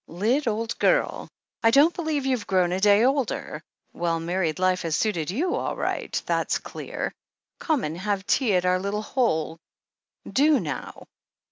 "Lyd, ole gurl ! I don't believe you've grown a day older — ^well, married life has suited you all right, that's clear ! Come and have tea at our little hole — do, now."